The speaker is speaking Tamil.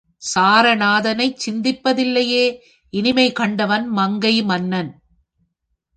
சாரநாதனைச் சிந்திப்பதிலேயே இனிமை கண்டவன் மங்கை மன்னன்.